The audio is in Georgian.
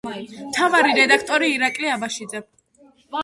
მთავარი რედაქტორი ირაკლი აბაშიძე.